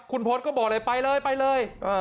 คุณพศก็บอกเลยไปเลยไปเลย